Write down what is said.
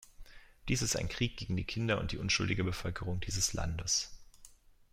Dies ist ein Krieg gegen die Kinder und die unschuldige Bevölkerung dieses Landes.